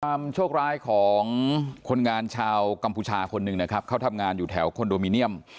โชคร้ายของคนงานชาวกัมพูชาคนหนึ่งนะครับเขาทำงานอยู่แถวคอนโดมิเนียม